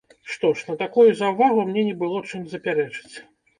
Што ж, на такую заўвагу мне не было чым запярэчыць.